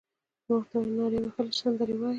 ما ورته وویل: نارې وهلای شې، سندرې وایې؟